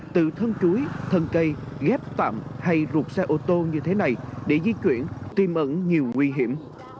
từ thân chuối thân cây ghép tạm hay rụt xe ô tô như thế này để di chuyển tìm ẩn nhiều nguy hiểm